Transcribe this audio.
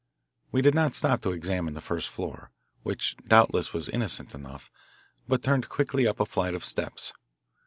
We did not stop to examine the first floor, which doubtless was innocent enough, but turned quickly up a flight of steps.